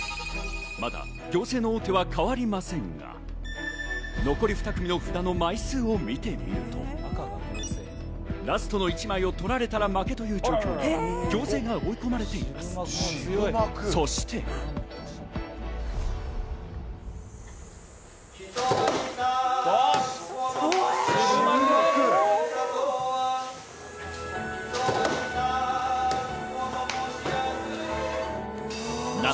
まだ暁星の大手は変わりませんが、残り２組の札の枚数を見てみると、ラストの１枚を取られたら負けという状況に暁星が追い込まれていました。